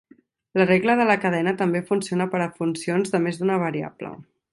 La regla de la cadena també funciona per a funcions de més d'una variable.